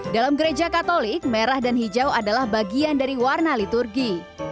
dalam gereja katolik merah dan hijau adalah bagian dari warna liturgi